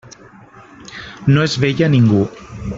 No es veia ningú.